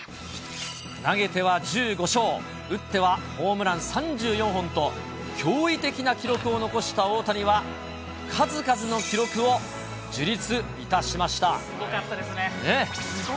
投げては１５勝、打ってはホームラン３４本と、驚異的な記録を残した大谷は、すごかったですね。